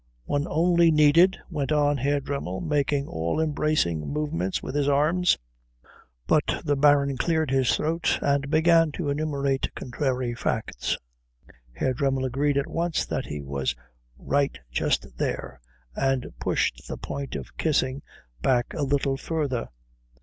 "One only needed " went on Herr Dremmel, making all embracing movements with his arms. But the Baron cleared his throat and began to enumerate contrary facts. Herr Dremmel agreed at once that he was right just there, and pushed the point of kissing back a little further.